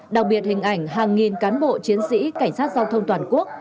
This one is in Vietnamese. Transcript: đặc biệt hình ảnh hàng nghìn cán bộ chiến sĩ cảnh sát giao thông toàn quốc